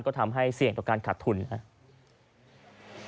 ก็ทำให้เสี่ยงต่อการขาดทุนนะครับ